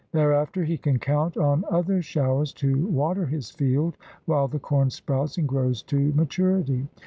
Thereafter he can count on other showers to water his field while the corn sprouts and grows to maturity.